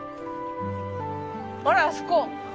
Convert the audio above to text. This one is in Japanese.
ほらあそこ。